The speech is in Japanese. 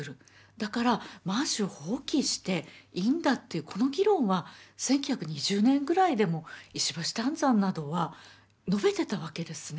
だから満州を放棄していいんだというこの議論は１９２０年ぐらいでも石橋湛山などは述べてたわけですね。